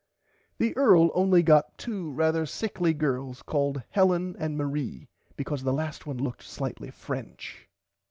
The Earl only got two rarther sickly girls called Helen and Marie because the last one looked slightly french.